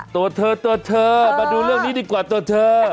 ตัวเธอตัวเธอมาดูเรื่องนี้ดีกว่าตัวเธอ